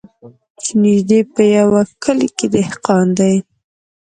چي نیژدې په یوه کلي کي دهقان دی